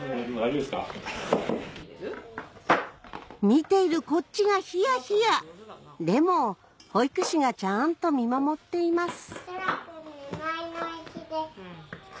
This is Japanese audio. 見ているこっちがヒヤヒヤでも保育士がちゃんと見守っています